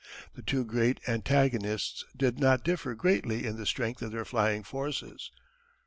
The two great antagonists did not differ greatly in the strength of their flying forces.